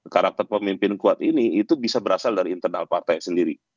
karakter pemimpin kuat ini itu bisa berasal dari internal partai sendiri